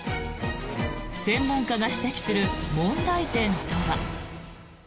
専門家が指摘する問題点とは。